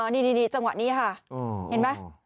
นี่จังหวะนี้ค่ะเห็นไหม